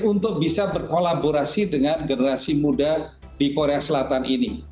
untuk bisa berkolaborasi dengan generasi muda di korea selatan ini